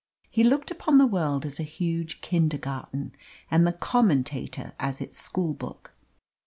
He looked upon the world as a huge kindergarten, and the Commentator as its school book.